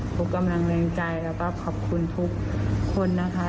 กำลังแรงใจแล้วก็ขอบคุณทุกคนนะคะ